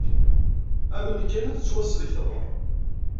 Amen kan, ad tettwasellkeḍ.